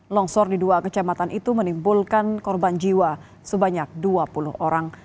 longsor di dua kecamatan itu menimbulkan korban jiwa sebanyak dua puluh orang